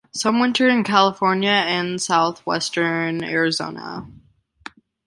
Some winter in California and southwestern Arizona.